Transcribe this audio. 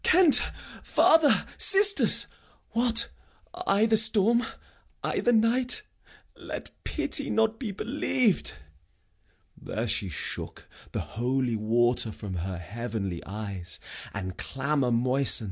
Kent! father! sisters! What, i' th' storm? i' th' night? Let pity not be believ'd!' There she shook The holy water from her heavenly eyes, And clamour moisten'd.